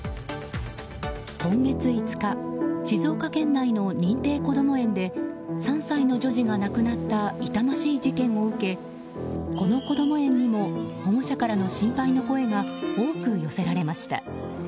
今月５日静岡県内の認定こども園で３歳の女児が亡くなった痛ましい事件を受けこのこども園にも保護者からの心配の声が多く寄せられました。